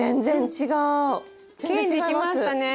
きれいにできましたね。